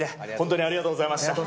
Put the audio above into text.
ありがとうございます。